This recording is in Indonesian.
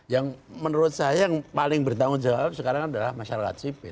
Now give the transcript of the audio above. yang menurut saya yang paling bertanggung jawab sekarang adalah masyarakat sipil